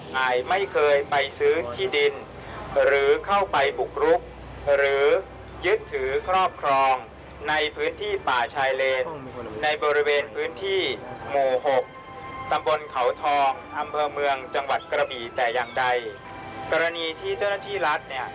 หากใดกรณีที่เจ้าหน้าที่รัฐเนี่ย